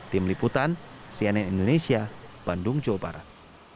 tim liputan cnn indonesia bandung jawa barat